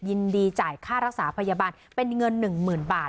ยินดีจ่ายค่ารักษาพยาบาลเป็นเงิน๑๐๐๐บาท